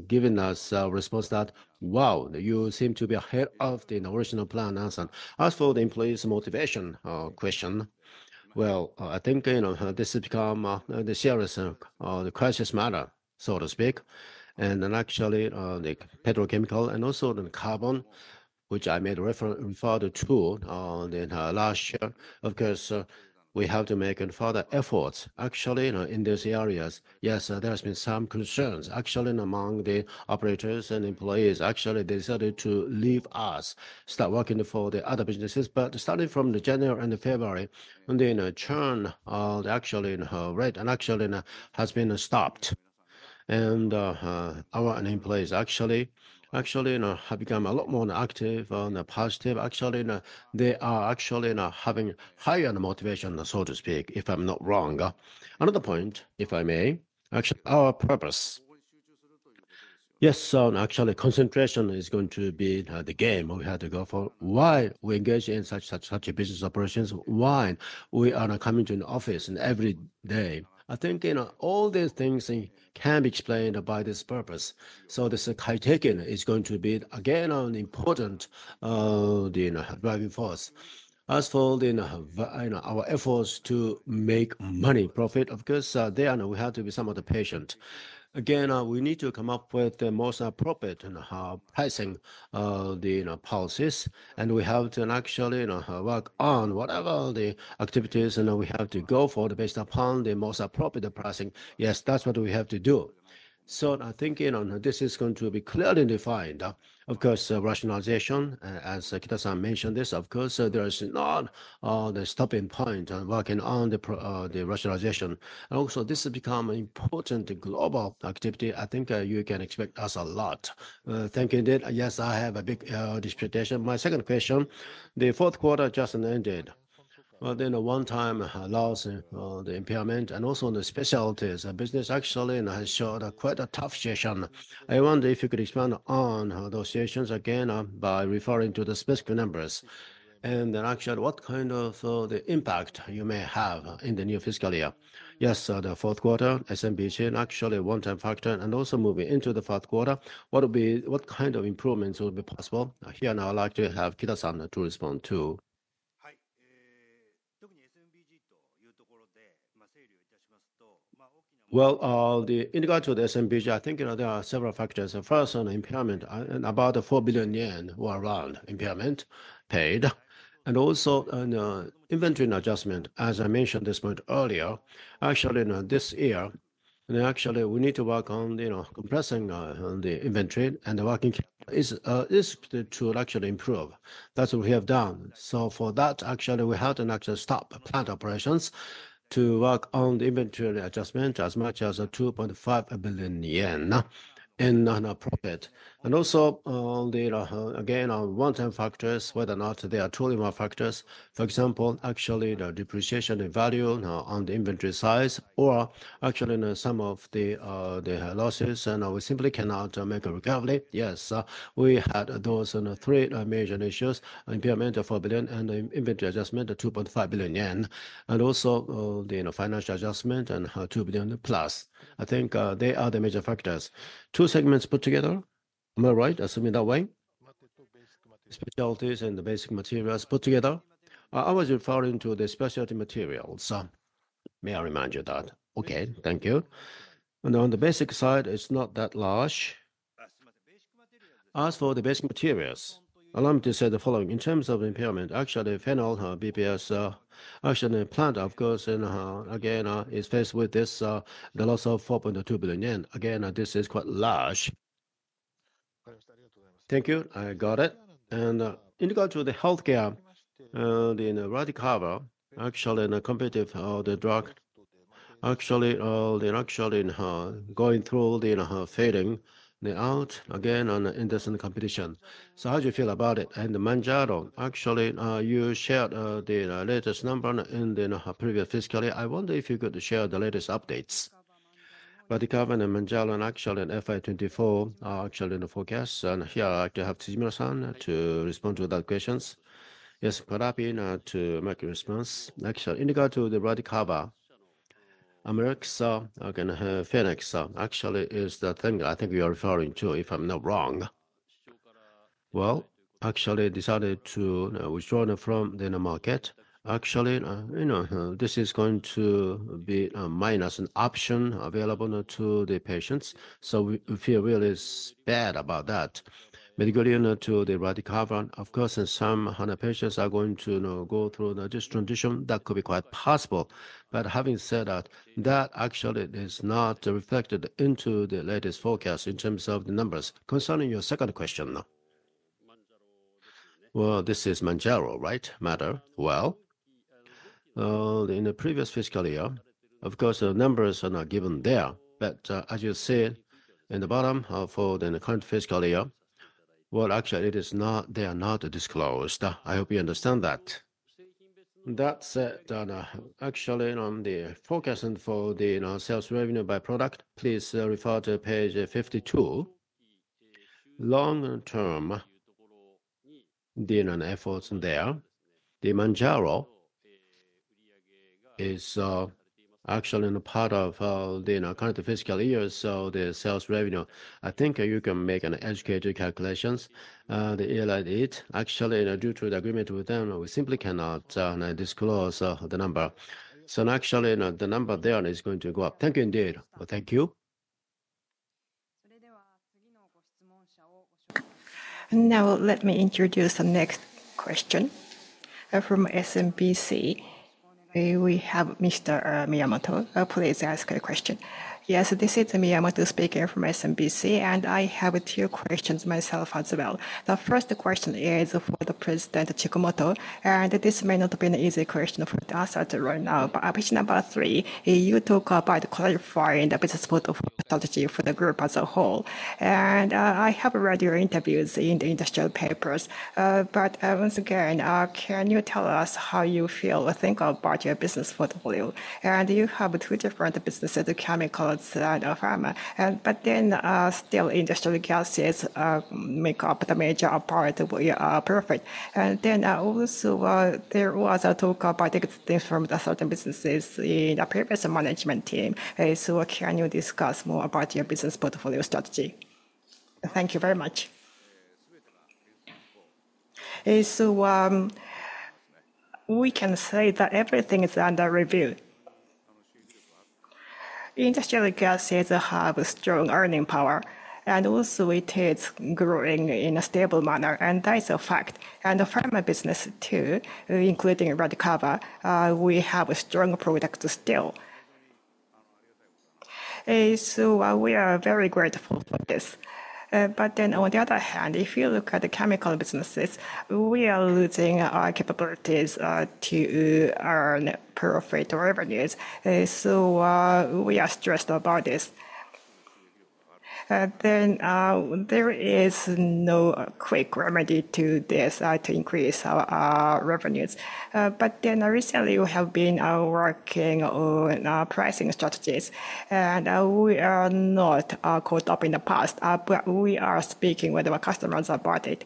giving us a response that, "Wow, you seem to be ahead of the innovational plan." As for the employees' motivation question, well, I think this has become the serious, the crisis matter, so to speak. And actually, the petrochemical and also the carbon, which I made referral to last year, of course, we have to make further efforts. Actually, in these areas, yes, there have been some concerns. Actually, among the operators and employees, actually, they decided to leave us, start working for the other businesses. But starting from January and February, then churn actually rate actually has been stopped. And our employees actually have become a lot more active and positive. Actually, they are actually having higher motivation, so to speak, if I'm not wrong. Another point, if I may, actually, our purpose. Yes, actually, concentration is going to be the game we have to go for. Why we engage in such, such, such business operations? Why we are coming to an office every day? I think all these things can be explained by this purpose. So this KAITEKI is going to be, again, an important driving force. As for our efforts to make money, profit, of course, there we have to be somewhat patient. Again, we need to come up with the most appropriate pricing policies. And we have to actually work on whatever the activities we have to go for based upon the most appropriate pricing. Yes, that's what we have to do. So I think this is going to be clearly defined. Of course, rationalization, as Kida-san mentioned this, of course, there is not the stopping point working on the rationalization. And also, this has become an important global activity. I think you can expect us a lot. Thank you indeed. Yes, I have a big question. My second question, the fourth quarter just ended. Well, then one-time loss, the impairment, and also the specialties business actually has shown quite a tough season. I wonder if you could expand on those seasons again by referring to the specific numbers. And actually, what kind of impact you may have in the new fiscal year. Yes, the fourth quarter, SM/BM, actually one-time factor. And also moving into the fourth quarter, what kind of improvements will be possible? Here now, I'd like to have Kida-san to respond too. Well, in regard to the SM/BM, I think there are several factors. First, impairment, about 4 billion yen or around impairment paid. And also inventory adjustment, as I mentioned at this point earlier, actually this year, actually we need to work on compressing the inventory and the working capital to actually improve. That's what we have done. So for that, actually, we had an actual stop, plant operations, to work on the inventory adjustment as much as 2.5 billion yen in profit. And also, again, one-time factors, whether or not they are truly more factors. For example, actually depreciation in value on the inventory size or actually some of the losses, and we simply cannot make a recovery. Yes, we had those three major issues: impairment of 4 billion and inventory adjustment of 2.5 billion yen. And also the financial adjustment and 2 billion plus. I think they are the major factors. Two segments put together, am I right? Assuming that way. Specialties and the basic materials put together. I was referring to the specialty materials. May I remind you that? Okay, thank you. On the basic side, it's not that large. As for the basic materials, allow me to say the following. In terms of impairment, actually, phenol, BPA, actually plant, of course, again, is faced with the loss of 4.2 billion yen. Again, this is quite large. Thank you. I got it. In regard to the healthcare, the Radicava, actually competitive drug, actually going through the fading, they're out again in this competition. So how do you feel about it? And Mounjaro, actually, you shared the latest number in the previous fiscal year. I wonder if you could share the latest updates. Radicava and Mounjaro actually in FY2024 are actually in the forecast. And here I'd like to have Chikumoto-san to respond to that question. Yes, Akihiro, to make a response. Actually, in regard to the Radicava, Phoenix actually is the thing I think you're referring to, if I'm not wrong. Well, actually decided to withdraw from the market. Actually, this is going to be minus an option available to the patients. So we feel really bad about that. Migration to the Radicava, of course, some 100 patients are going to go through this transition. That could be quite possible. But having said that, that actually is not reflected into the latest forecast in terms of the numbers. Concerning your second question, well, this is Mounjaro, right? Matter. Well, in the previous fiscal year, of course, the numbers are not given there. But as you said in the bottom for the current fiscal year, well, actually they are not disclosed. I hope you understand that. That said, actually on the forecast for the sales revenue by product, please refer to page 52. Long-term efforts there. The Mounjaro is actually part of the current fiscal year, so the sales revenue, I think you can make educated calculations. The year 1998, actually due to the agreement with them, we simply cannot disclose the number. So actually the number there is going to go up. Thank you indeed. Thank you. Now, let me introduce the next question. From SMBC, we have Mr. Miyamoto. Please ask a question. Yes, this is Miyamoto speaking from SMBC. And I have two questions myself as well. The first question is for the President Chikumoto. And this may not be an easy question for us right now. But option number three, you talk about clarifying the business portfolio strategy for the group as a whole. I have read your interviews in the industrial papers. Once again, can you tell us how you feel or think about your business portfolio? You have two different businesses, chemicals and pharma. Still, industrial gases make up the major part of your profit. There was also a talk about things from certain businesses in the previous management team. Can you discuss more about your business portfolio strategy? Thank you very much. We can say that everything is under review. Industrial gases have strong earning power. It is also growing in a stable manner. That is a fact. Pharma business too, including Radicava, we have strong products still. We are very grateful for this. On the other hand, if you look at the chemical businesses, we are losing our capabilities to earn profit or revenues. We are stressed about this. Then there is no quick remedy to this to increase our revenues. But recently, we have been working on pricing strategies. We are not caught up in the past. But we are speaking with our customers about it.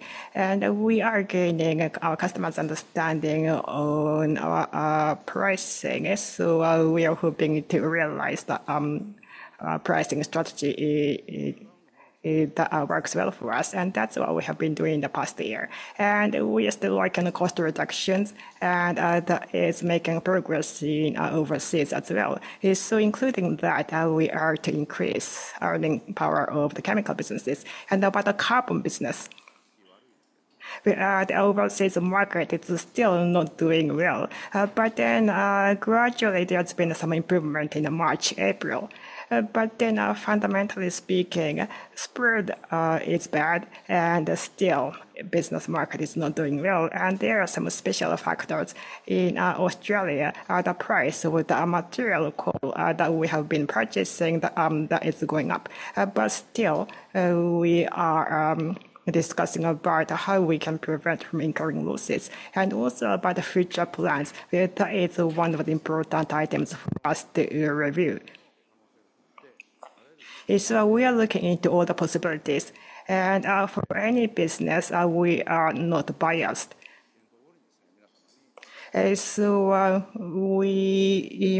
We are gaining our customers' understanding on our pricing. We are hoping to realize that pricing strategy works well for us. That's what we have been doing the past year. We are still working on cost reductions. That is making progress overseas as well. Including that, we are to increase earning power of the chemical businesses. About the carbon business, the overseas market is still not doing well. But gradually, there has been some improvement in March, April. Fundamentally speaking, spread is bad. Still, business market is not doing well. There are some special factors in Australia. The price with the material that we have been purchasing that is going up. Still, we are discussing about how we can prevent from incurring losses. Also about the future plans. That is one of the important items for us to review. We are looking into all the possibilities. For any business, we are not biased. We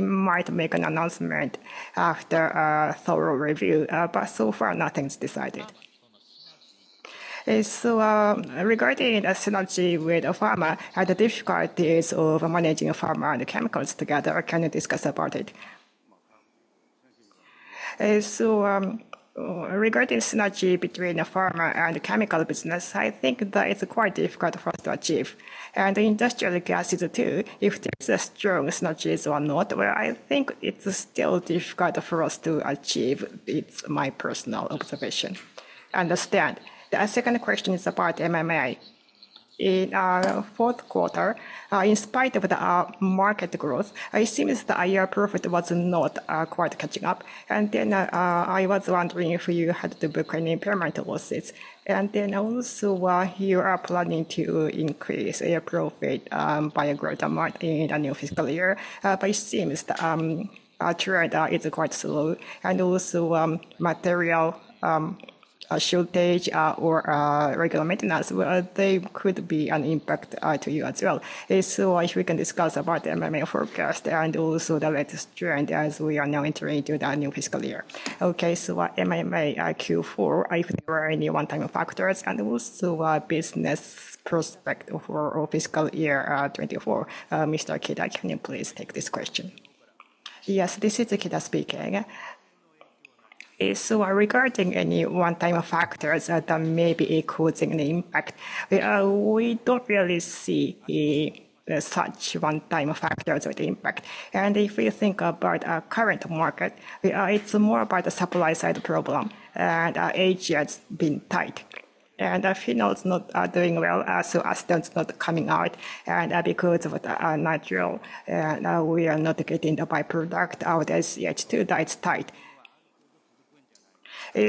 might make an announcement after a thorough review. But so far, nothing's decided. Regarding synergy with pharma, the difficulties of managing pharma and chemicals together, can you discuss about it? Regarding synergy between pharma and chemical business, I think that it's quite difficult for us to achieve. Industrial gases too, if there's a strong synergy or not, well, I think it's still difficult for us to achieve. It's my personal observation. Understand. The second question is about MMA. In fourth quarter, in spite of the market growth, it seems that your profit was not quite catching up. Then I was wondering if you had to book any impairment losses. Then also you are planning to increase your profit by a greater amount in the new fiscal year. But it seems that trend is quite slow. Also material shortage or regular maintenance, well, they could be an impact to you as well. So if we can discuss about the MMA forecast and also the latest trend as we are now entering into the new fiscal year. Okay, so MMA Q4, if there are any one-time factors and also business prospect for fiscal year 2024. Mr. Akita, can you please take this question? Yes, this is Kida speaking. So, regarding any one-time factors that may be causing an impact, we don't really see such one-time factors or the impact. If we think about current market, it's more about the supply-side problem. Asia has been tight. Phenol is not doing well. So naphtha is not coming out. Because of natural, we are not getting the byproduct out as H2, that it's tight.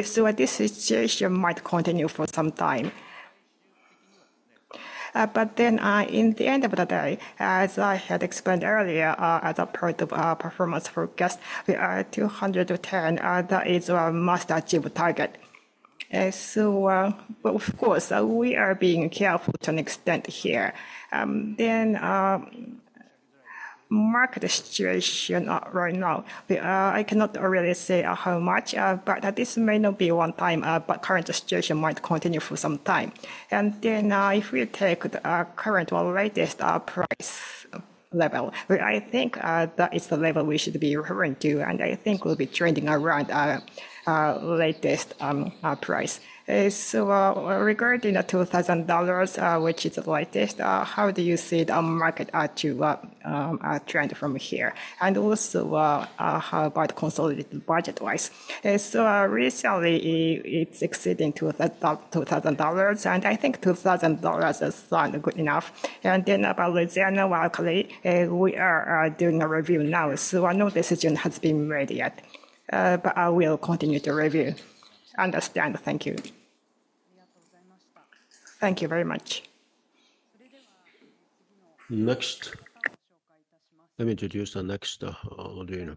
So this situation might continue for some time. But then in the end of the day, as I had explained earlier, as a part of performance forecast, we are at 210. That is a must-achieve target. So of course, we are being careful to an extent here. Then market situation right now, I cannot really say how much. But this may not be one-time. Current situation might continue for some time. And then if we take the current or latest price level, I think that is the level we should be referring to. And I think we'll be trending around the latest price. So regarding the $2,000, which is the latest, how do you see the market to trend from here? And also how about consolidated budget-wise? So recently, it's exceeding $2,000. And I think $2,000 is good enough. And then about Louisiana weekly, we are doing a review now. So no decision has been made yet. But I will continue to review. Understand. Thank you. Let me introduce the next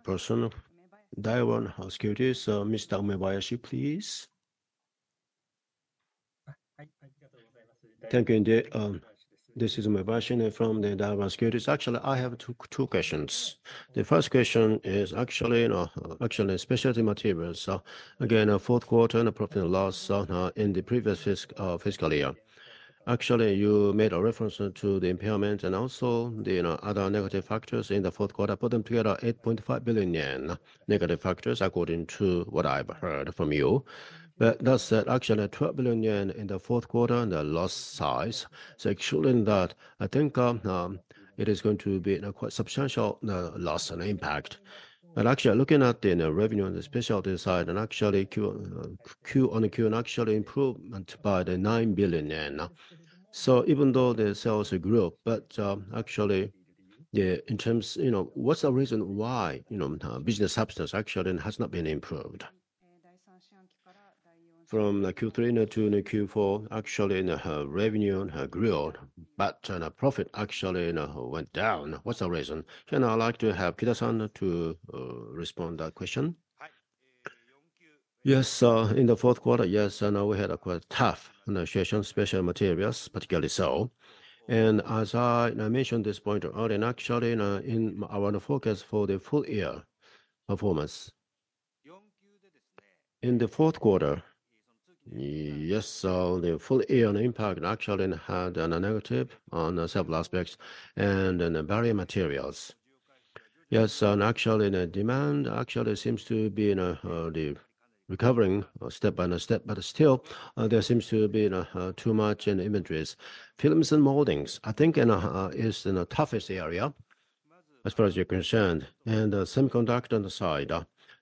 person. Daiwa, excuse me. Mr. Umebayashi, please. Thank you indeed. This is Umebayashi from the Daiwa Securities. Actually, I have two questions. The first question is actually Specialty Materials. Again, fourth quarter and profit and loss in the previous fiscal year. Actually, you made a reference to the impairment and also the other negative factors in the fourth quarter. Put them together, 8.5 billion yen negative factors according to what I've heard from you. But that said, actually 12 billion yen in the fourth quarter and the loss size. So showing that I think it is going to be quite substantial loss and impact. But actually looking at the revenue on the Specialty side, and actually Q-on-Q actually improvement by the 9 billion yen. So even though the sales grew, but actually in terms of what's the reason why business substance actually has not been improved? From Q3 to Q4, actually revenue grew. But profit actually went down. What's the reason? Can I like to have Kida-san to respond to that question? Yes, in the fourth quarter, yes. And we had a quite tough situation, Specialty Materials, particularly so. As I mentioned at this point earlier, actually in our focus for the full year performance, in the fourth quarter, yes, the full year impact actually had a negative on several aspects and Basic Materials. Yes, and actually demand actually seems to be recovering step by step. But still, there seems to be too much in inventories. Films and moldings, I think, is the toughest area as far as you're concerned. And semiconductor side,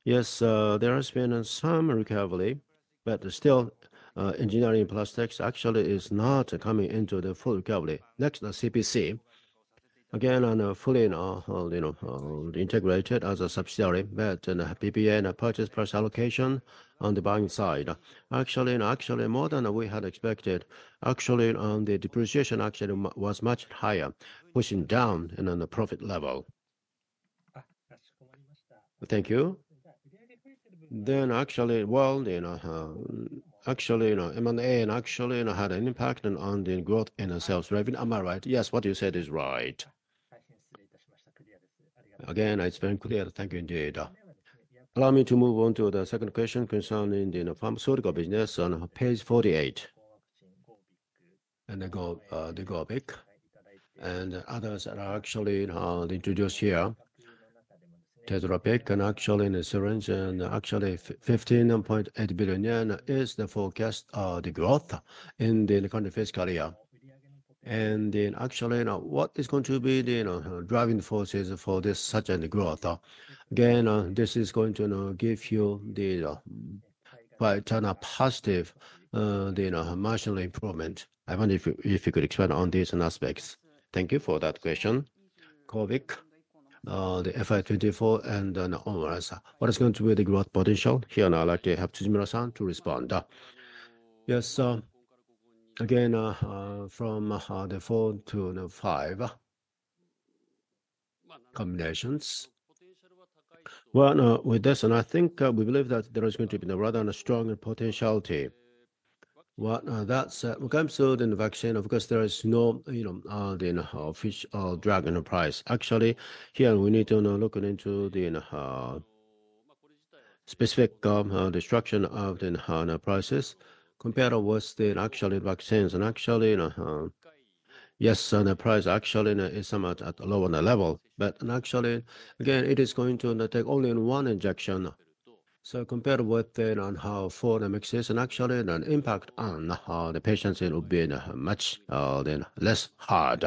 yes, there has been some recovery. But still, engineering plastics actually is not coming into the full recovery. Next, CPC. Again, fully integrated as a subsidiary. But PPA and purchase price allocation on the buying side, actually more than we had expected. Actually, the depreciation actually was much higher, pushing down on the profit level. Thank you. Then actually, well, actually M&A actually had an impact on the growth in sales revenue. Am I right? Yes, what you said is right. Again, I explained clearly. Thank you indeed. Allow me to move on to the second question concerning the pharmaceutical business on page 48. The GOBIK and others are actually introduced here. Tetra Pak and actually in the syringe. Actually, 15.8 billion yen is the forecast of the growth in the current fiscal year. Then actually, what is going to be the driving forces for such a growth? Again, this is going to give you the quite positive marginal improvement. I wonder if you could expand on these aspects. Thank you for that question. GOBIK, the FY2024 and ORS. What is going to be the growth potential? Here I'd like to have Tsujimura-san to respond. Yes. Again, from the four to the five combinations. Well, with this, I think we believe that there is going to be rather strong potentiality. When it comes to the vaccine, of course, there is no official drug price. Actually, here we need to look into the specific reduction of the prices compared with the actual vaccines. And actually, yes, the price actually is somewhat at a lower level. But actually, again, it is going to take only one injection. So compared with the four mixes, and actually the impact on the patients will be much less hard.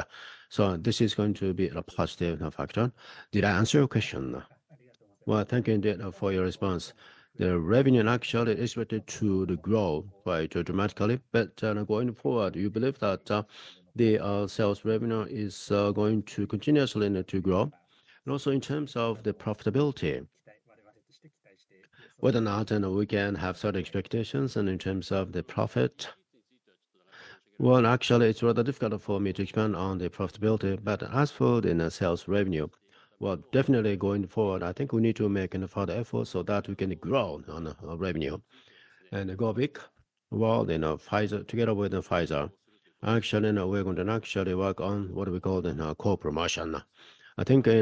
So this is going to be a positive factor. Did I answer your question? Well, thank you indeed for your response. The revenue actually is expected to grow dramatically. But going forward, you believe that the sales revenue is going to continue to grow. And also in terms of the profitability, whether or not we can have certain expectations and in terms of the profit. Well, actually, it's rather difficult for me to expand on the profitability. But as for the sales revenue, well, definitely going forward, I think we need to make further efforts so that we can grow on revenue. And GOBIK, well, together with Pfizer, actually we're going to actually work on what we call co-promotion. I think we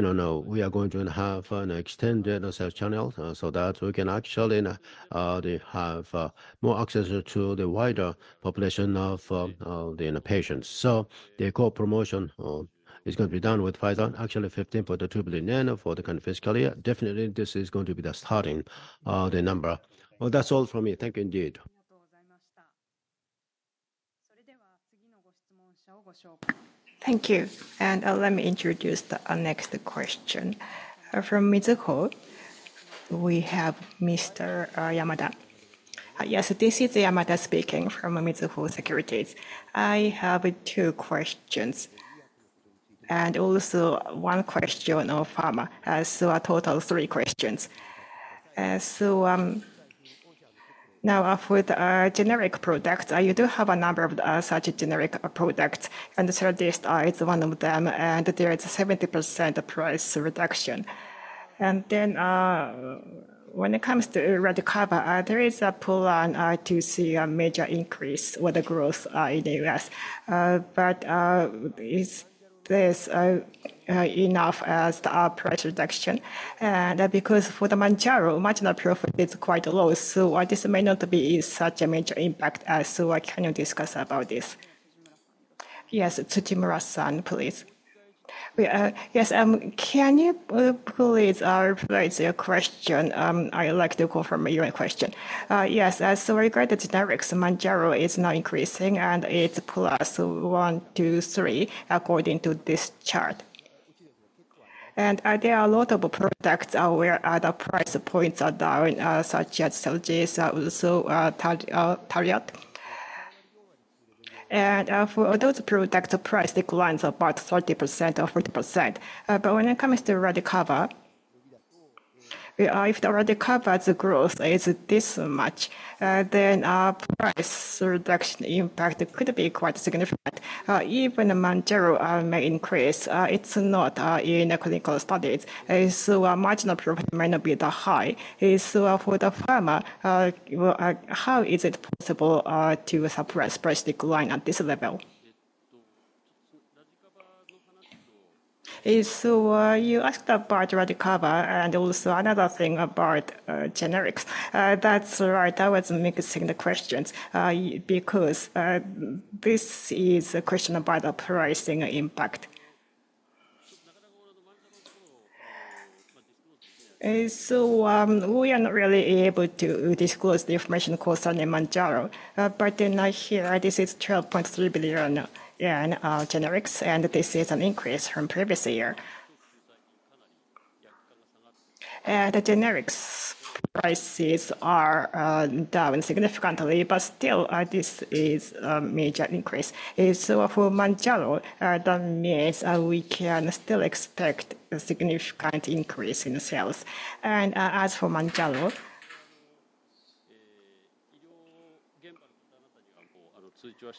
are going to have an extended sales channel so that we can actually have more access to the wider population of the patients. So the co-promotion is going to be done with Pfizer. Actually 15.2 billion for the current fiscal year. Definitely, this is going to be the starting number. Well, that's all from me. Thank you indeed. Thank you. Let me introduce the next question. From Mizuho, we have Mr. Yamada. Yes, this is Yamada speaking from Mizuho Securities. I have two questions. And also one question on pharma. A total of three questions. Now with generic products, you do have a number of such generic products. Celdex isone of them. There is a 70% price reduction. Then when it comes to Radicava, there is a potential to see a major increase with the growth in the U.S. But is this enough as the price reduction? Because for the Mounjaro, marginal profit is quite low. This may not be such a major impact. Can you discuss about this? Yes, Tsujimura-san, please. Yes, can you please rephrase your question? I'd like to confirm your question. Yes, so regarding the generics, Mounjaro is now increasing. It's +1, +2, +3 according to this chart. There are a lot of products where the price points are down, such as Celldesk, also Talion. For those products, price declines about 30% or 40%. But when it comes to Radicava, if the Radicava's growth is this much, then price reduction impact could be quite significant. Even Mounjaro may increase. It's not in clinical studies. So marginal profit may not be that high. For the pharma, how is it possible to suppress price decline at this level? You asked about Radicava. Also another thing about generics. That's right. I was mixing the questions because this is a question about the pricing impact. We are not really able to disclose the information concerning Mounjaro. But then here, this is 12.3 billion yen generics. This is an increase from previous year. The generics prices are down significantly. But still, this is a major increase. For Mounjaro, that means we can still expect a significant increase in sales. As for Mounjaro.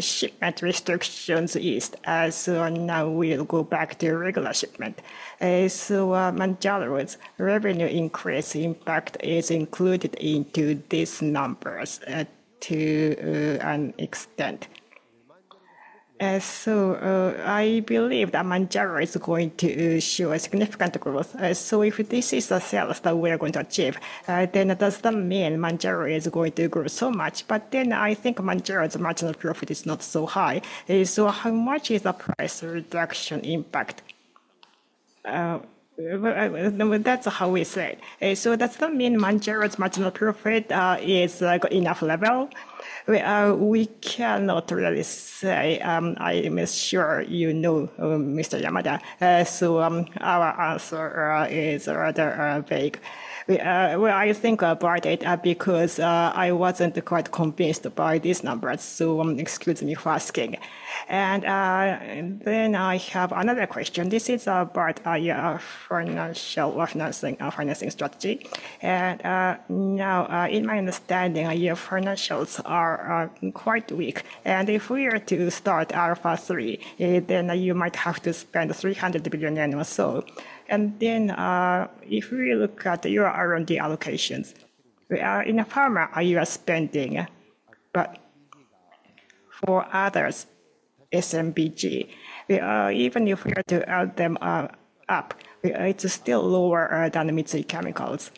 Shipment restrictions, as of now, we'll go back to regular shipment. So Mounjaro's revenue increase impact is included into these numbers to an extent. So I believe that Mounjaro is going to show a significant growth. So if this is the sales that we are going to achieve, then does that mean Mounjaro is going to grow so much? But then I think Mounjaro's marginal profit is not so high. So how much is the price reduction impact? That's how we say it. So does that mean Mounjaro's marginal profit is at enough level? We cannot really say. I'm sure you know, Mr. Yamada. So our answer is rather vague. I think about it because I wasn't quite convinced by these numbers. So excuse me for asking. And then I have another question. This is about your financial financing strategy. Now, in my understanding, your financials are quite weak. If we are to start Alpha-III, then you might have to spend 300 billion yen or so. Then if we look at your R&D allocations, in pharma, you are spending. But for others, SMBG, even if we are to add them up, it's still lower than Mitsui Chemicals.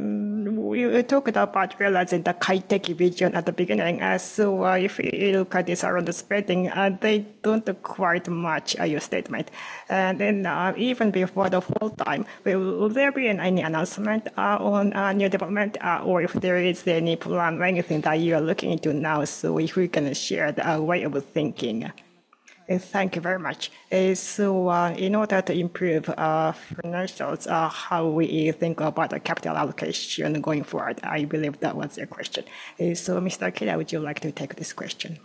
We talked about realizing the KAITEKI Vision at the beginning. If you look at this around the spending, they don't quite match your statement. Even before the full time, will there be any announcement on new development or if there is any plan or anything that you are looking into now? If we can share the way of thinking. Thank you very much. So in order to improve financials, how we think about the capital allocation going forward? I believe that was your question. So Mr. Akihiro, would you like to take this question?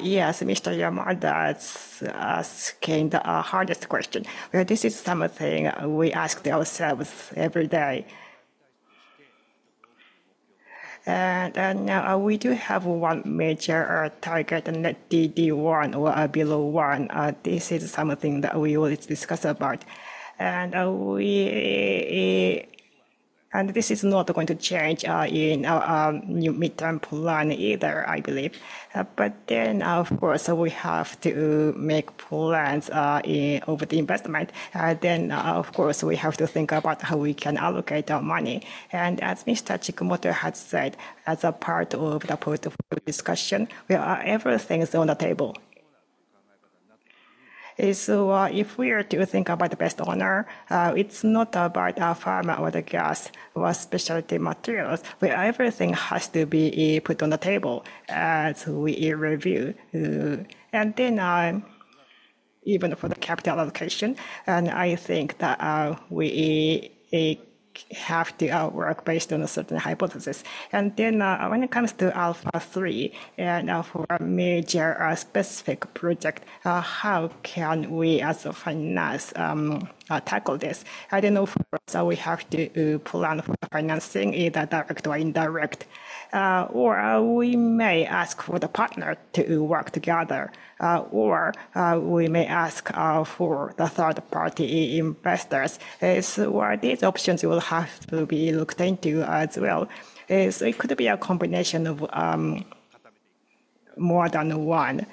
Yes, Mr. Yamada asking the hardest question. This is something we ask ourselves every day. Now we do have one major target, D/E 1 or below one. This is something that we always discuss about. This is not going to change in our new midterm plan either, I believe. Then, of course, we have to make plans over the investment. Of course, we have to think about how we can allocate our money. As Mr. Tsujimura had said, as a part of the portfolio discussion, we are everything on the table. If we are to think about the best owner, it's not about pharma or the gas or specialty materials. Everything has to be put on the table as we review. And then even for the capital allocation, I think that we have to work based on a certain hypothesis. And then when it comes to Alpha-3 and for a major specific project, how can we as a finance tackle this? I don't know. First, we have to plan for the financing, either direct or indirect. Or we may ask for the partner to work together. Or we may ask for the third-party investors. So these options will have to be looked into as well. So it could be a combination of more than one.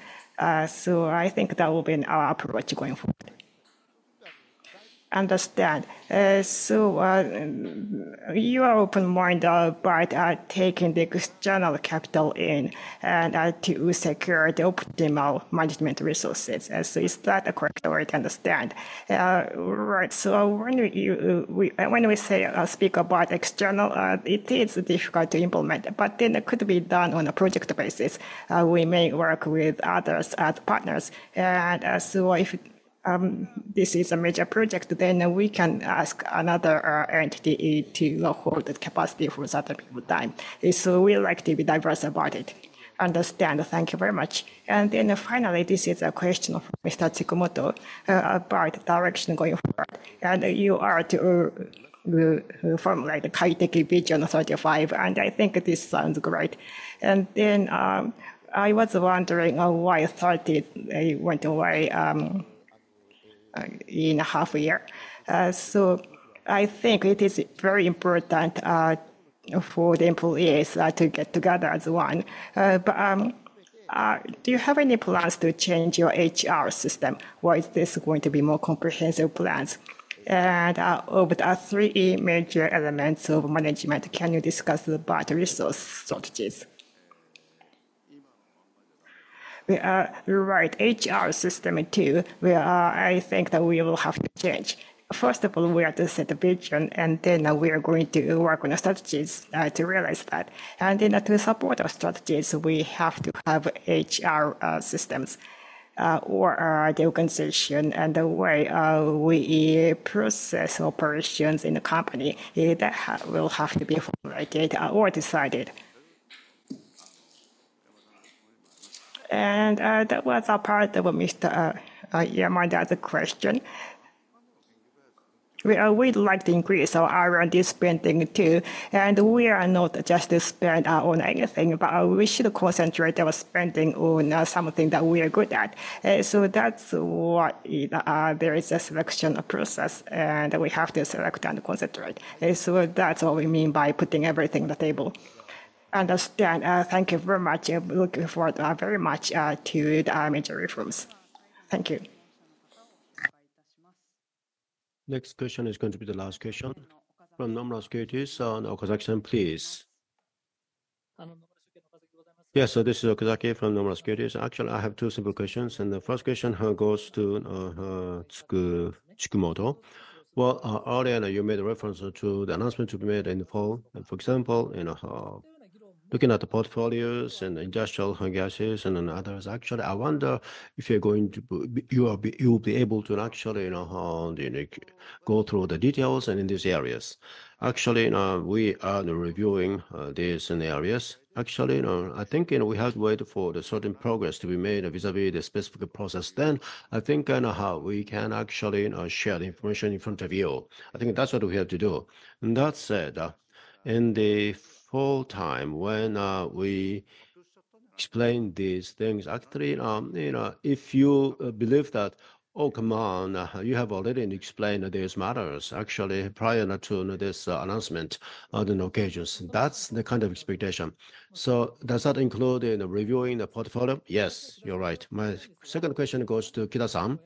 So I think that will be our approach going forward. Understand. So you are open-minded about taking the external capital in to secure the optimal management resources. So is that a correct way to understand? Right. So when we speak about external, it is difficult to implement. But then it could be done on a project basis. We may work with others as partners. And so if this is a major project, then we can ask another entity to hold the capacity for some time. So we like to be diverse about it. Understand. Thank you very much. And then finally, this is a question from Mr. Tsujimura about direction going forward. And you are to formulate the KAITEKI Vision 35. And I think this sounds great. And then I was wondering why 30 went away in a half year. So I think it is very important for the employees to get together as one. But do you have any plans to change your HR system? Or is this going to be more comprehensive plans? And over the three major elements of management, can you discuss about resource strategies? Right. HR system too, I think that we will have to change. First of all, we have to set a vision. Then we are going to work on strategies to realize that. Then to support our strategies, we have to have HR systems or the organization and the way we process operations in the company that will have to be formulated or decided. That was a part of Mr. Yamada's question. We'd like to increase our R&D spending too. We are not just to spend on anything. But we should concentrate our spending on something that we are good at. That's why there is a selection process. We have to select and concentrate. That's what we mean by putting everything on the table. Understand. Thank you very much. Looking forward very much to the major reforms. Thank you. Next question is going to be the last question. From Okazaki, Nomura Securities, please. Yes, this is Okazaki from Nomura Securities. Actually, I have two simple questions. The first question goes to Tsujimura. Well, earlier, you made reference to the announcement to be made in the fall. For example, looking at the portfolios and industrial gases and others, actually, I wonder if you'll be able to actually go through the details and in these areas. Actually, we are reviewing these areas. Actually, I think we have to wait for the certain progress to be made vis-à-vis the specific process then. I think we can actually share the information in front of you. I think that's what we have to do. That said, in the full time when we explain these things, actually, if you believe that, oh, come on, you have already explained these matters actually prior to this announcement on the occasions, that's the kind of expectation. So does that include reviewing the portfolio? Yes, you're right. My second question goes to Kida-san.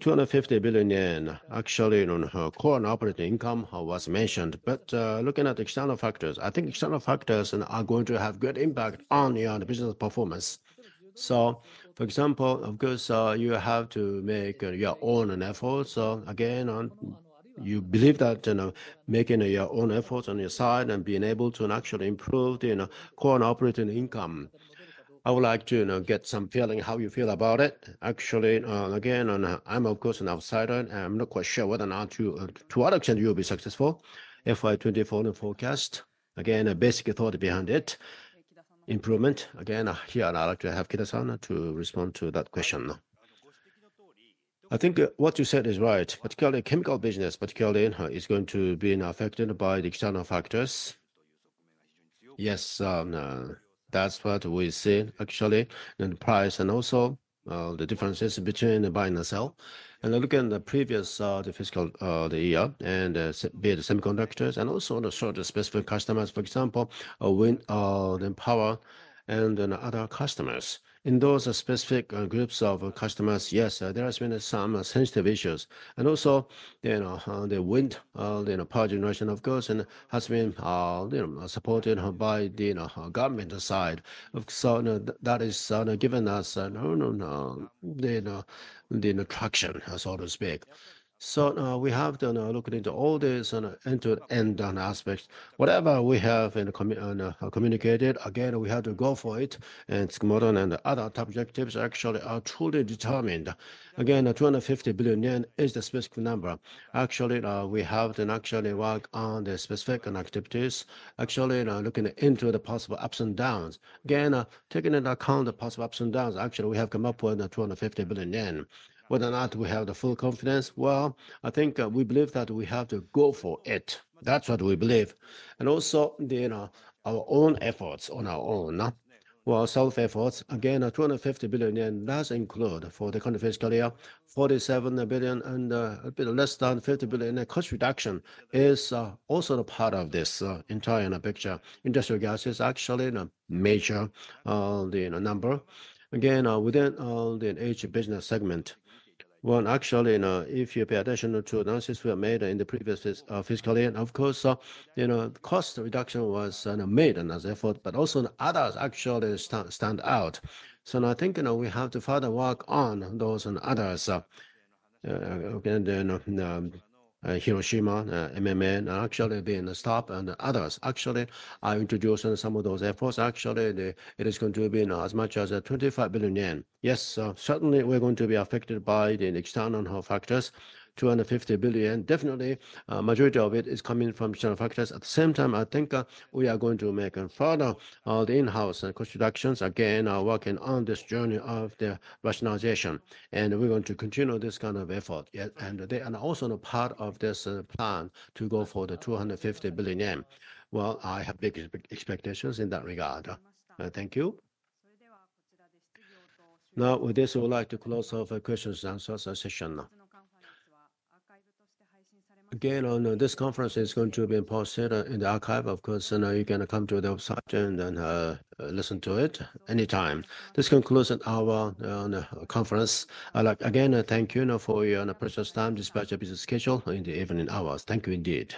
250 billion yen, actually, on her core and operating income was mentioned. But looking at external factors, I think external factors are going to have great impact on your business performance. So, for example, of course, you have to make your own efforts. Again, you believe that making your own efforts on your side and being able to actually improve the core and operating income, I would like to get some feeling how you feel about it. Actually, again, I'm, of course, an outsider. I'm not quite sure whether or not, to what extent, you'll be successful. FY 2024 forecast, again, a basic thought behind it. Improvement, again, here. I'd like to have Kida-san to respond to that question. I think what you said is right. Particularly chemical business, particularly, is going to be affected by the external factors. Yes, that's what we see, actually, in the price and also the differences between buying and sell. Looking at the previous fiscal year and be it semiconductors and also the sort of specific customers, for example, wind and power and then other customers. In those specific groups of customers, yes, there has been some sensitive issues. The wind power generation, of course, has been supported by the government side. So that has given us, no, no, no, the attraction, so to speak. We have to look into all these end-to-end aspects. Whatever we have communicated, again, we have to go for it. Tsujimura and other top executives actually are truly determined. Again, 250 billion yen is the specific number. Actually, we have to actually work on the specific activities. Actually, looking into the possible ups and downs. Again, taking into account the possible ups and downs, actually, we have come up with 250 billion yen. Whether or not we have the full confidence? Well, I think we believe that we have to go for it. That's what we believe. Also then our own efforts on our own. Well, self-efforts, again, 250 billion, that's included for the current fiscal year. 47 billion and a bit less than 50 billion in a cost reduction is also part of this entire picture. Industrial gas is actually a major number. Again, within each business segment. Well, actually, if you pay attention to analysis we have made in the previous fiscal year, of course, cost reduction was made as an effort. But also others actually stand out. So I think we have to further work on those and others. Again, then Hiroshima, MMA, actually being stopped and others actually are introducing some of those efforts. Actually, it is going to be as much as 25 billion yen. Yes, certainly, we're going to be affected by the external factors. 250 billion, definitely, majority of it is coming from external factors. At the same time, I think we are going to make further in-house cost reductions. Again, working on this journey of the rationalization. And we're going to continue this kind of effort. And they are also part of this plan to go for the 250 billion yen. Well, I have big expectations in that regard. Thank you. Again, on this conference, it's going to be posted in the archive. Of course, you can come to the website and then listen to it anytime. This concludes our conference. Again, thank you for your precious time, despite your busy schedule in the evening hours. Thank you indeed.